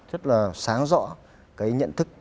rất là sáng rõ cái nhận thức